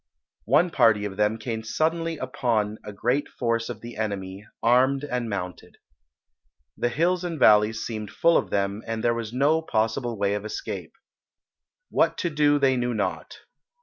One party of them came suddenly upon a great force of the enemy, armed and mounted. The hills and valleys seemed full of them, and there was no possible way of escape. What to do they knew not.